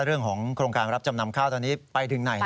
เรื่องของโครงการรับจำนำข้าวตอนนี้ไปถึงไหน